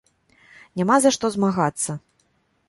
Няма за што змагацца.